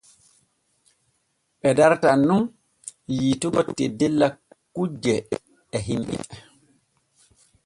Ɓe dartan nun yiitugo teddella kujje e himɓe.